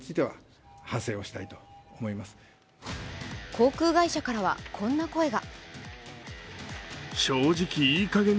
航空会社からはこんな声が。